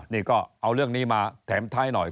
นี่ก็เอาเรื่องนี้มาแถมท้ายหน่อย